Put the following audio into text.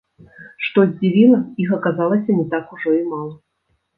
Што здзівіла, іх аказалася не так ужо і мала.